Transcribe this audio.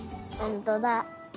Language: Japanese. ほんとだ。